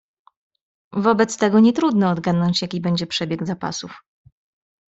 "Wobec tego nie trudno odgadnąć, jaki będzie przebieg zapasów."